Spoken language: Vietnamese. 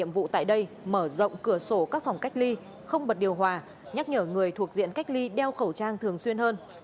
nhiệm vụ tại đây mở rộng cửa sổ các phòng cách ly không bật điều hòa nhắc nhở người thuộc diện cách ly đeo khẩu trang thường xuyên hơn